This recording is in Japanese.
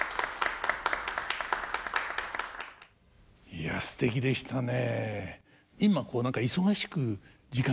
いやすてきでしたね。